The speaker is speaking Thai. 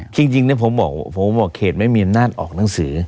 จริงผมบอกเขตไม่มีอำนาจออกหนังสือ